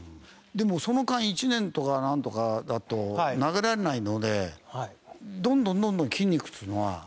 でもその間１年とかなんとか投げられないのでどんどんどんどん筋肉っていうのは。